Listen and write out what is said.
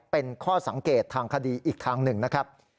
เป็นข้อสังเกตทางคดีอีกทางหนึ่งนะครับ